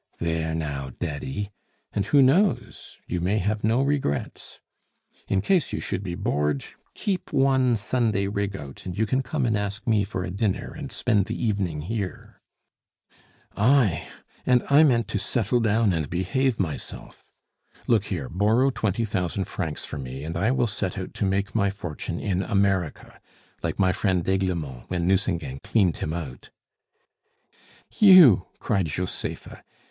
There now, Daddy! And who knows! you may have no regrets. In case you should be bored, keep one Sunday rig out, and you can come and ask me for a dinner and spend the evening here." "I! and I meant to settle down and behave myself! Look here, borrow twenty thousand francs for me, and I will set out to make my fortune in America, like my friend d'Aiglemont when Nucingen cleaned him out." "You!" cried Josepha.